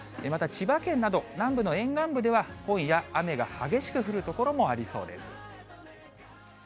また千葉県など、南部の沿岸部では今夜、雨が激しく降る所もありそうです。